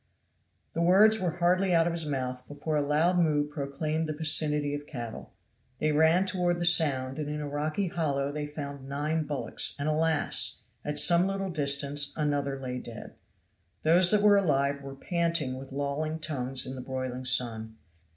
The words were hardly out of his mouth before a loud moo proclaimed the vicinity of cattle. They ran toward the sound, and in a rocky hollow they found nine bullocks; and alas! at some little distance another lay dead. Those that were alive were panting with lolling tongues in the broiling sun.